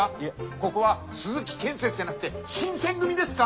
ここは鈴木建設じゃなくて新撰組ですか！？